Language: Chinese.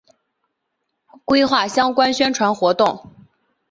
规划相关宣传活动